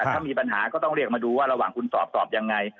ถ้ามีปัญหาก็ต้องเรียกมาดูว่าระหว่างคุณสอบสอบยังไง